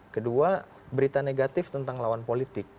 kedua berita negatif tentang lawan politik